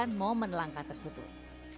untuk menyaksikan momen langkah tersebut